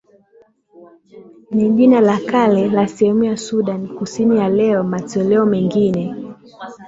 ni jina la kale la sehemu ya Sudan Kusini ya leo matoleo mengine